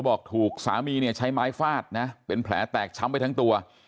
บอกถูกสามีเนี่ยใช้ไม้ฟาดนะเป็นแผลแตกช้ำไปทั้งตัว